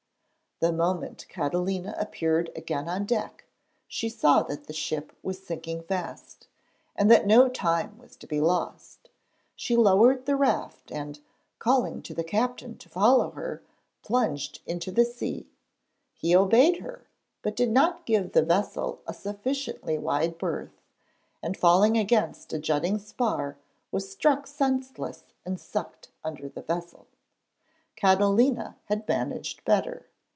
The moment Catalina appeared again on deck, she saw that the ship was sinking fast, and that no time was to be lost. She lowered the raft and, calling to the captain to follow her, plunged into the sea. He obeyed her, but did not give the vessel a sufficiently wide berth, and, falling against a jutting spar, was struck senseless and sucked under the vessel. Catalina had managed better.